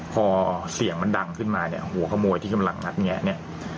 พอเสียงมันดังขึ้นมาเนี่ยหัวขโมยที่กำลังงัดแงะเนี่ย